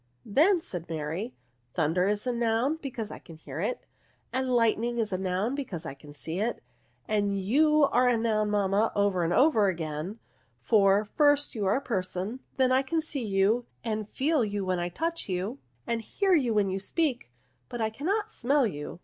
*' Then," said Mary, " thunder is a noun, because I can hear it, and lightning is a noun, because I can see it ; and you are a noun, mamma, over and over again : for, first, you are a person, then I can see you, and feel you when I touch you, and hear you when you speak, but I cannot smell you."